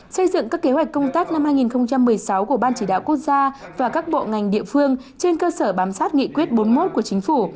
xây dựng các kế hoạch công tác năm hai nghìn một mươi sáu của ban chỉ đạo quốc gia và các bộ ngành địa phương trên cơ sở bám sát nghị quyết bốn mươi một của chính phủ